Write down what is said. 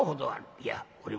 いやこれも。